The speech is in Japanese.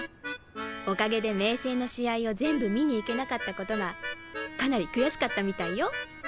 おかげで明青の試合を全部観に行けなかったことがかなり悔しかったみたいよ。